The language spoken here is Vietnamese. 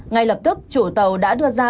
ngay lập tức chủ tàu đã đưa ra